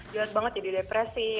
jelas banget jadi depresi